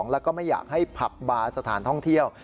แล้วก็ไม่อยากให้ผับบาร์สถานท่องเที่ยว